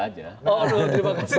oh terima kasih